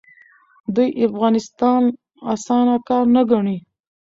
دوی افغانستان اسانه کار نه ګڼي.